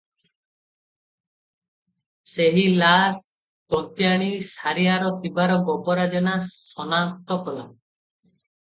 ସେହି ଲାସ୍ ତନ୍ତୀଆଣୀ ସାରିଆର ଥିବାର ଗୋବରା ଜେନା ସନାକ୍ତ କଲା ।